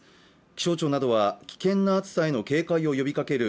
気象庁などは危険な暑さへの警戒を呼びかける